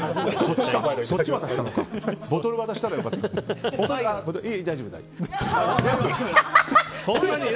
ボトル渡したらよかったのに。